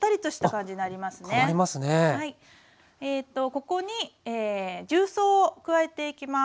ここに重曹を加えていきます。